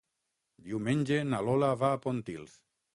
Diumenge na Lola va a Pontils.